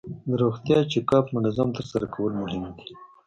د روغتیا چک اپ منظم ترسره کول مهم دي.